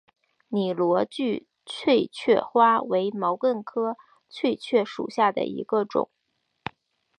拟螺距翠雀花为毛茛科翠雀属下的一个种。